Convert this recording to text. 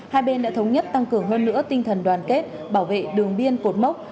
hai bên đã thống nhất tăng cường hơn nữa tinh thần đoàn kết bảo vệ đường biên cột mốc